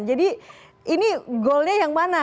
jadi ini goalnya yang mana